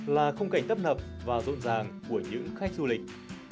là khung cảnh tấp nập và rộn ràng của những khách du lịch